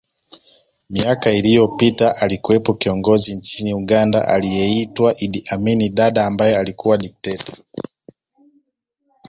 Miaka iliyopita alikuwepo kiongozi nchini Uganda aliyeitwa Idd Amin Dada ambaye alikuwa dikteta